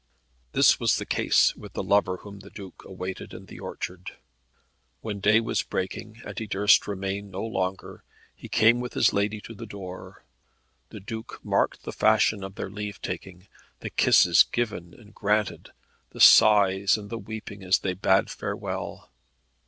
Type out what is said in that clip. This was the case with the lover whom the Duke awaited in the orchard. When day was breaking, and he durst remain no longer, he came with his lady to the door. The Duke marked the fashion of their leave taking, the kisses given and granted, the sighs and the weeping as they bade farewell.